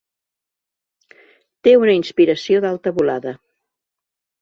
Té una inspiració d'alta volada.